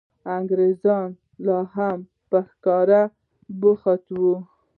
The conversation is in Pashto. انګرېزان لا هم په ښکار بوخت وو.